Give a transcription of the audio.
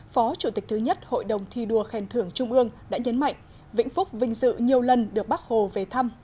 phó chủ tịch thứ nhất hội đồng thi đua khen thưởng trung ương đã nhấn mạnh vĩnh phúc vinh dự nhiều lần được bác hồ về thăm